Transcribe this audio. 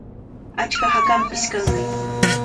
Achka hakanpish kanmi.